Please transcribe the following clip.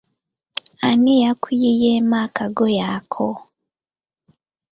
Ani yakuyiyeemu akagoye ako?